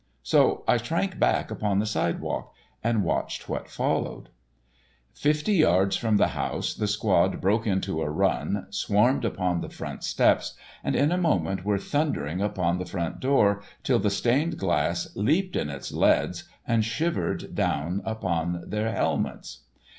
So I shrank back upon the sidewalk and watched what followed. Fifty yards from the house the squad broke into a run, swarmed upon the front steps, and in a moment were thundering upon the front door till the stained glass leaped in its leads and shivered down upon their helmets.